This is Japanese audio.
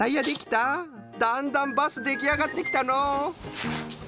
だんだんバスできあがってきたのう。